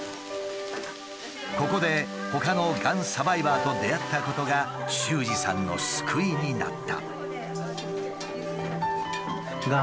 ここでほかのがんサバイバーと出会ったことが秀司さんの救いになった。